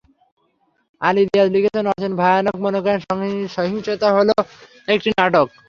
আলী রীয়াজ লিখেছেন, আচিন ভায়ানক মনে করেন, সহিংসতা হলো একটি নাটক।